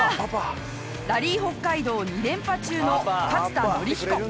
ラリー北海道２連覇中の勝田範彦。